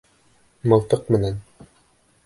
Мылтыҡ менән.